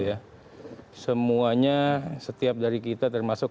ya semuanya setiap dari kita termasuk